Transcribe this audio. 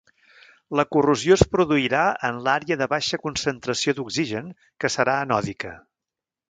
La corrosió es produirà en l'àrea de baixa concentració d'oxigen que serà anòdica.